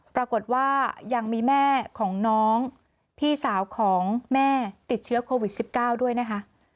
ปรากฏว่ายังมีแม่ของน้องพี่สาวของแม่ติดเชื้อโควิด๑๙ด้วยนะคะ